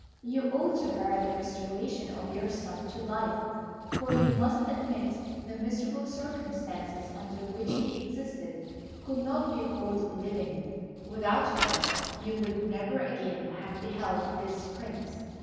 You owe to her the restoration of your son to life, for you must admit that the miserable circumstances under which he existed could not be called living. Without her, you would never again have beheld this Prince.